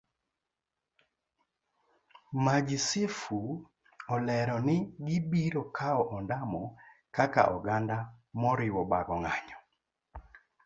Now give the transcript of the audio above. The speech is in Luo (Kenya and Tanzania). Majisifu olero ni gibiro kawo ondamo kaka oganda moriwo bago ng'anyo